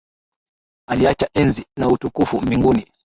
Aliacha enzi , na utukufu mbinguni.